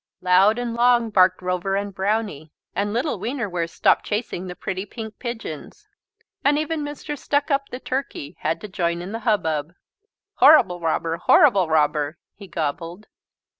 Loud and long barked Rover and Brownie. And little Wienerwurst stopped chasing the pretty pink pigeons. And even Mr. Stuckup, the turkey, had to join in the hubbub. "Horrible robber, horrible robber," he gobbled.